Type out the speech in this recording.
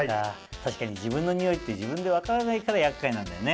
確かに自分のにおいって自分で分からないから厄介なんだよね。